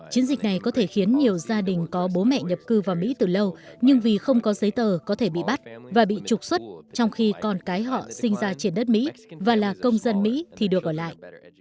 chiến dịch này có thể khiến nhiều gia đình có bố mẹ nhập cư vào mỹ từ lâu nhưng vì không có giấy tờ có thể bị bắt và bị trục xuất trong khi con cái họ sinh ra trên đất mỹ và là công dân mỹ thì được ở lại